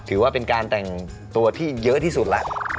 ถือว่าเป็นการแต่งตัวที่เยอะที่สุดแล้ว